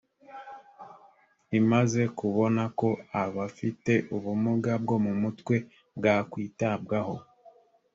imaze kubona ko abafite ubumuga bwo mumutwe bwakwitabwaho